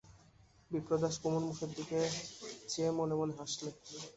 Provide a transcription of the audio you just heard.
বিপ্রদাস কুমুর মুখের দিকে চেয়ে মনে মনে হাসলে।